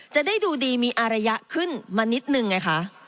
จะได้ดูดีมีอารยะขึ้นมานิดนึงไงคะ